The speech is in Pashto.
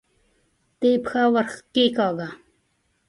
ته یې پښه ورکښېکاږه!